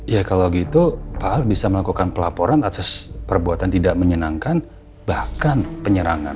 ya kalau gitu pak al bisa melakukan pelaporan atas perbuatan tidak menyenangkan bahkan penyerangan